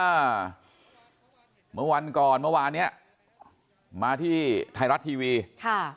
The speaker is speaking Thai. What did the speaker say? เมื่อวันก่อนเมื่อวานเนี้ยมาที่ไทยรัฐทีวีค่ะ